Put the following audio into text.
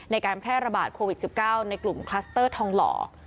ในการแพร่ระบาดโควิด๑๙ในกลุ่มคลัสเตอร์ทองหล่อ